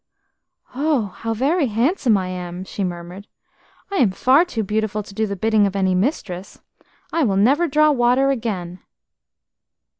"Oh, how very handsome I am!" she murmured. "I am far too beautiful to do the bidding of any mistress. I will never draw water again."